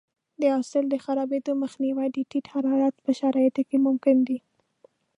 د حاصل د خرابېدو مخنیوی د ټیټ حرارت په شرایطو کې ممکن دی.